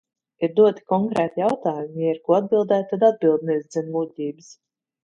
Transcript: Ir doti konkrēti jautājumi, ja ir ko atbildēt, tad atbildi nevis dzen muļķības.